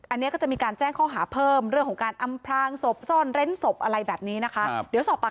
อันนี้ก็จะมีการแจ้งข้อหาเพิ่มเรื่องของการอำพลางศพซ่อนเร้นศพอะไรแบบนี้นะคะ